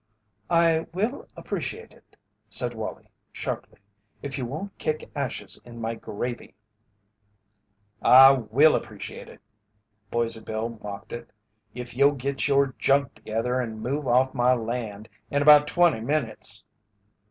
"I will appreciate it," said Wallie, sharply, "if you won't kick ashes in my gravy!" "And I will appreciate it," Boise Bill mocked him, "if you'll git your junk together and move off my land in about twenty minutes."